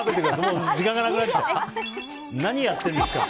何やってるんですか！